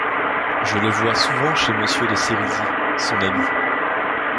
Je le vois souvent chez monsieur de Sérisy, son ami.